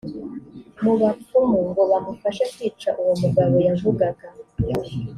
mu bapfumu ngo bamufashe kwica uwo mugabo yavugaga